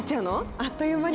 あっという間に？